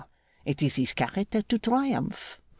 It is his character to triumph!